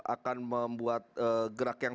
akan membuat gerak yang